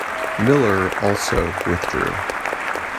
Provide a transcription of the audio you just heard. Miller also withdrew.